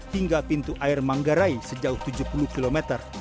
hingga pintu air manggarai sejauh tujuh puluh km